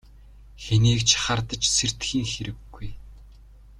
Хэнийг ч хардаж сэрдэхийн хэрэггүй.